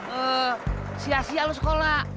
eh sia sia lu sekolah